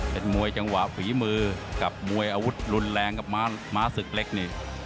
เป็นมวยจังหวะฝีมือกับมวยอาวุธรุนแรงกับม้าศึกเล็กนี่